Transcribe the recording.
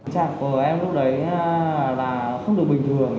trạng của em lúc đấy là không được bình thường